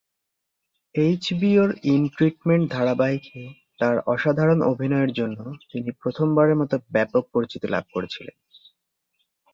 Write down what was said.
এইচবিওর "in treatment" ধারাবাহিকে তার অসাধারণ অভিনয়ের জন্য তিনি প্রথমবারের মত ব্যাপক পরিচিতি লাভ করেছিলেন।